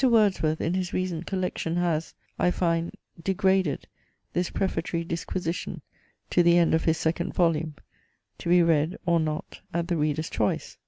Wordsworth in his recent collection has, I find, degraded this prefatory disquisition to the end of his second volume, to be read or not at the reader's choice.